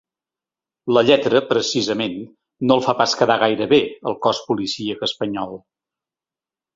La lletra, precisament, no el fa pas quedar gaire bé, el cos policíac espanyol.